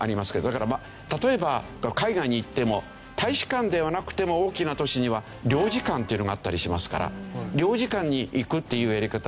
だから例えば海外に行っても大使館ではなくても大きな都市には領事館っていうのがあったりしますから領事館に行くっていうやり方もありますよね。